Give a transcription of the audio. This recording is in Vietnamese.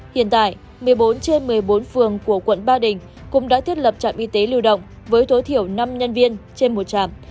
hiện tại một mươi bốn trên một mươi bốn phường của quận ba đình cũng đã thiết lập trạm y tế lưu động với tối thiểu năm nhân viên trên một trạm